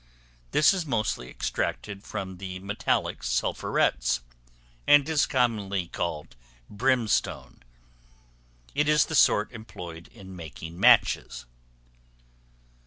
This is mostly extracted from the metallic sulphurets, and is commonly called brimstone. It is the sort employed in making matches.